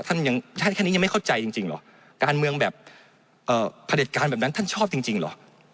แค่นี้ยังไม่เข้าใจจริงเหรอการเมืองแบบเอ่อผลิตการแบบนั้นท่านชอบจริงเหรอ